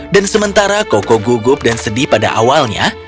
dan sementara koko gugup dan sedih pada awalnya